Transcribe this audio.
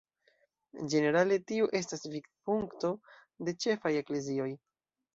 Ĝenerale tiu estas vidpunkto de ĉefaj eklezioj.